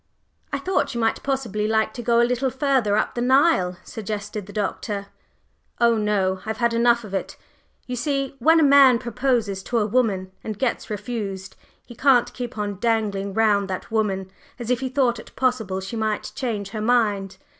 "I thought you might possibly like to go a little further up the Nile?" suggested the Doctor. "Oh, no, I've had enough of it! You see, when a man proposes to a woman and gets refused, he can't keep on dangling round that woman as if he thought it possible she might change her mind."